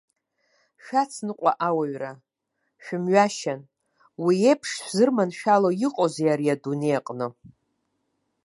Шәацныҟәа ауаҩра, шәымҩашьан, уи еиԥш шәзырманшәало иҟоузеи ари адунеи аҟны.